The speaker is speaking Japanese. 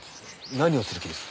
何をする気です？